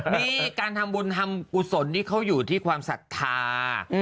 นี่การทำบุญทำกุศลนี่เขาอยู่ที่ความศรัทธา